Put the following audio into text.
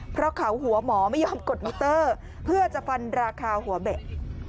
เพราะเขาหัวหมอไม่ยอมกดมิเตอร์เพื่อจะฟันราคาหัวเบะ